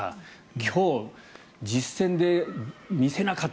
今日、実戦で見せなかった